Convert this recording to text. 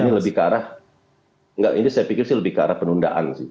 ini lebih ke arah ini saya pikir sih lebih ke arah penundaan sih